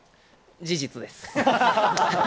事実です。